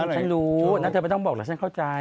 ฉันรู้แล้วเธอไม่ต้องบอกแล้วฉันเข้าใจ